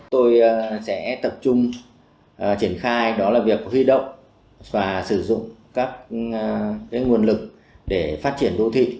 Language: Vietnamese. tôi sẽ tập trung triển khai đó là việc huy động và sử dụng các nguồn lực để phát triển đô thị